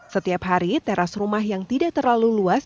setiap hari teras rumah yang tidak terlalu luas